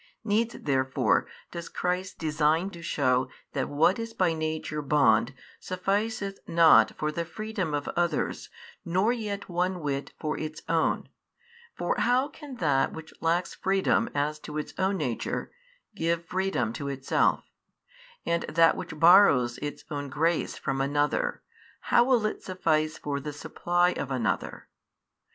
Needs therefore does Christ design to shew that what is by nature bond, sufficeth not for the freedom of others nor yet one whit for its own, for how can that which lacks freedom as to its own nature, give freedom to itself, and that which borrows its own grace from another, how will it suffice for the supply of another?